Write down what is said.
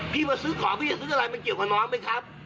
มาซื้อของพี่จะซื้ออะไรมันเกี่ยวกับน้องไหมครับ